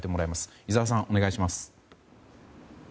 井澤さん、お願いします。